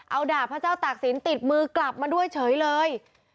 เอาดาบพระเจ้าตากศิลปติดมือกลับมาด้วยเฉยเลย